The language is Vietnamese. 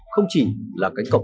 không chỉ là cánh cổng